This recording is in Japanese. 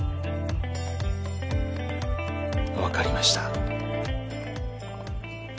わかりました。